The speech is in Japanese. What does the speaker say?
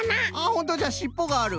ほんとじゃしっぽがある。